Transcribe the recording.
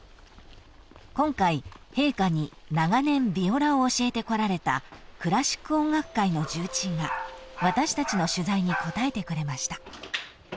［今回陛下に長年ビオラを教えてこられたクラシック音楽界の重鎮が私たちの取材に応えてくれました］